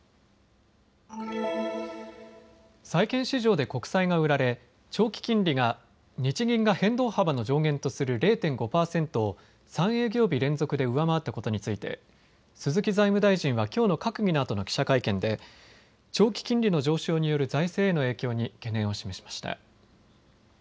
債券市場で国債が売られ長期金利が日銀が変動幅の上限とする０．５％を３営業日連続で上回ったことについて鈴木財務大臣はきょうの閣議のあとの記者会見で長期金利の上昇による財政への影響に懸念を示しました。